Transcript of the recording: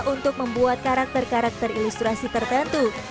untuk membuat karakter karakter ilustrasi tertentu